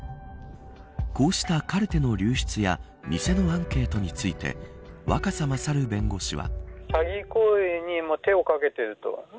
こうしたカルテの流出や偽のアンケートについて若狭勝弁護士は。